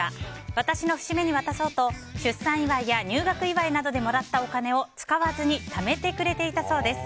私の節目に渡そうと出産祝いや入学祝いなどでもらったお金を使わずにためてくれていたそうです。